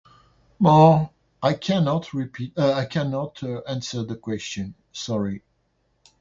Uh, I cannot repeat that; I cannot, uh, answer the question, sorry.